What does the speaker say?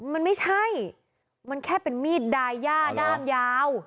มันไม่ใช่มันแค่เป็นมีดดายย่าด้ามยาว